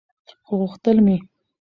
خو غوښتل مې